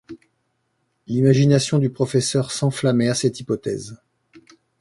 L’imagination du professeur s’enflammait à cette hypothèse.